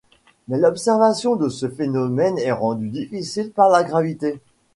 Mais l'observation de ce phénomène est rendue difficile par la gravité.